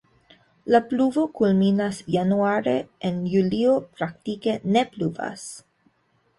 La pluvo kulminas januare, en julio praktike ne pluvas.